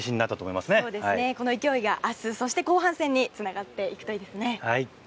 この勢いが明日そして後半戦につながっていくといいですね。